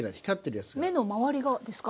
目の周りがですか？